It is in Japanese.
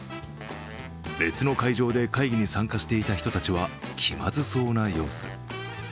別の会場で会議に参加していた人たちは気まずそうな様子。